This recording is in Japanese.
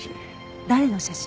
誰の写真？